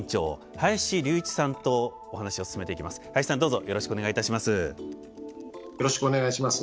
林さんどうぞよろしくお願いいたします。